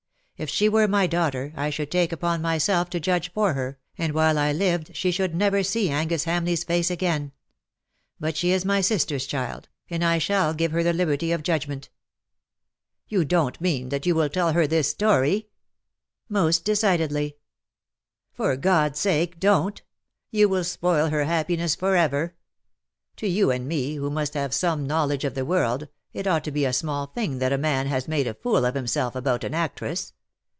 If she were my daughter I should take upon myself to judge for her, and while I lived she should never see Angus Hamleigh's face again. But she is my sister's child, and I shall give her the liberty of judgment." "You don't mean that you will tell her this story?'* LE SECRET DE POLICHINELLE 2iD " Most decidedly/' "' For God^s sake^ don''t !— you will spoil her happiness for ever. To you and me^ Avho must have some knowledge of the world,, it ought to be a small thing that a man has made a fool of himself about an actress.